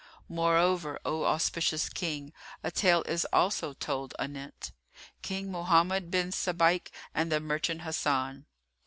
Moreover, O auspicious King, a tale is also told anent KING MOHAMMED BIN SABAIK AND THE MERCHANT HASAN.